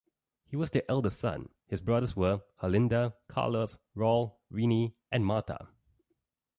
He was the eldest son, his brothers were: Herlinda, Carlos, Raul, Rene and Marta.